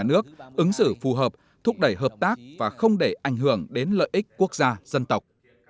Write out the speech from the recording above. nước ứng xử phù hợp thúc đẩy hợp tác và không để ảnh hưởng đến lợi ích quốc gia dân tộc